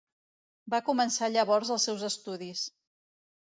Va començar llavors els seus estudis.